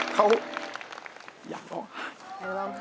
เขาอย่าลองหา